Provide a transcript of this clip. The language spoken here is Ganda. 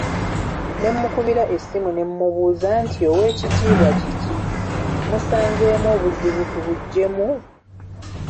Ne mmukubira essimu ne mubuuza nti oweekitiibwa kiki, musanzeemu obuzibu tubuggyemu?